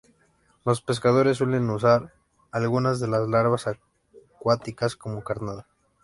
Los pescadores suelen usar algunas de las larvas acuáticas como carnada.